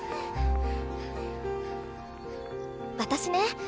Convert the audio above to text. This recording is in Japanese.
私ね